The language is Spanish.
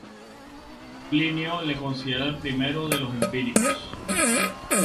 Plinio le considera el primero de los "Empíricos".